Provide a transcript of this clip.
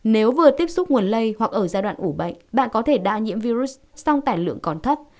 nếu vừa tiếp xúc nguồn lây hoặc ở giai đoạn ủ bệnh bạn có thể đa nhiễm virus song tải lượng còn thấp